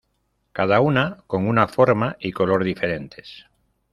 cada una con una forma y color diferentes.